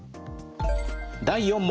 第４問。